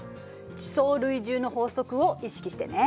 「地層累重の法則」を意識してね。